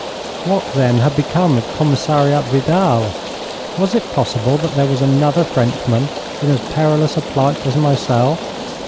What, then, had become of Commissariat Vidal? Was it possible that there was another Frenchman in as perilous a plight as myself?